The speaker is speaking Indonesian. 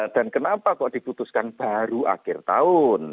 dan kenapa kok diputuskan baru akhir tahun